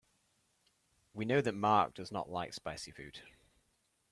We know that Mark does not like spicy food.